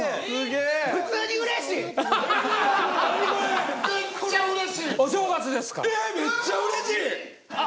ええっめっちゃうれしい！